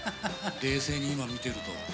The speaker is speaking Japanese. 冷静に今見てると。